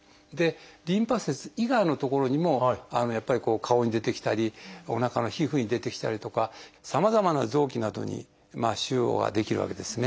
リンパ節以外の所にもやっぱり顔に出てきたりおなかの皮膚に出てきたりとかさまざまな臓器などに腫瘍が出来るわけですね。